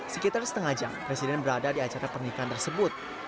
sekitar setengah jam presiden berada di acara pernikahan tersebut